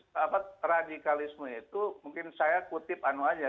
teroris apa radikalisme itu mungkin saya kutip anu aja